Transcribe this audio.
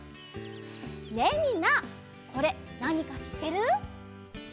ねえみんなこれなにかしってる？